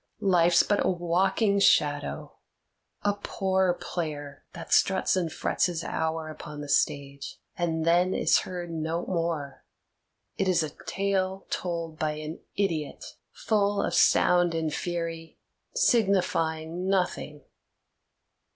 Life's but a walking shadow, a poor player that struts and frets his hour upon the stage, and then is heard no more; it is a tale told by an idiot, full of sound and fury, signifying nothing."